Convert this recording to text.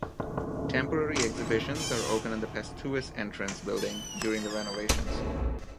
Temporary exhibitions are open in the "pesthuis" entrance building during the renovations.